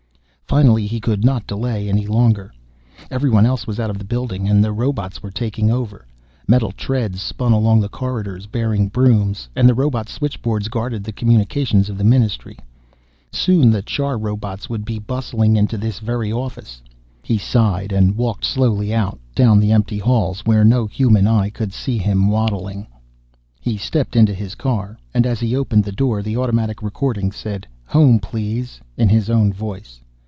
Finally, he could not delay any longer. Everyone else was out of the building, and the robots were taking over. Metal treads spun along the corridors, bearing brooms, and the robot switchboards guarded the communications of the Ministry. Soon the char robots would be bustling into this very office. He sighed and walked slowly out, down the empty halls where no human eye could see him waddling. He stepped into his car, and as he opened the door the automatic recording said "Home, please," in his own voice.